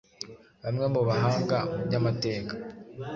Bamwe mu bahanga mu byamateka